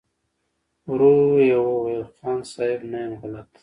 ورو يې وويل: خان صيب! نه يم غلط.